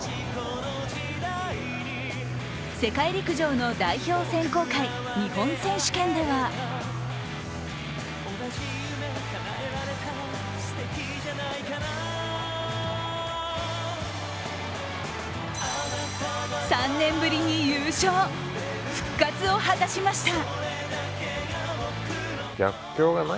世界陸上の代表選考会、日本選手権では３年ぶりに優勝、復活を果たしました。